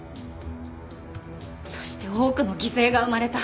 そして多くの犠牲が生まれた。